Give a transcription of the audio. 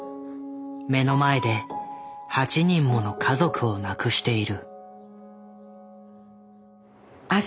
目の前で８人もの家族を亡くしている。